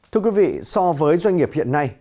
thưa quý vị so với doanh nghiệp hiện nay